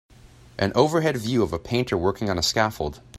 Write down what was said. an overhead view of a painter working on a scaffold.